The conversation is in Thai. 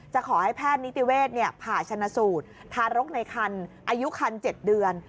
ขอให้แพทย์นิติเวชผ่าชนะสูตรทารกในคันอายุคัน๗เดือน